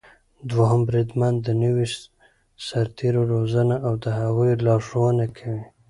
دوهم بریدمن د نويو سرتېرو روزنه او د هغوی لارښونه کوي.